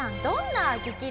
どんな激